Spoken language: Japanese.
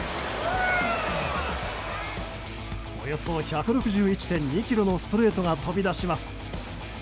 およそ１６１．２キロのストレートが飛び出します。